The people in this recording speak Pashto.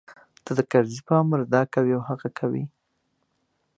ته د کرزي په امر دا کوې او هغه کوې.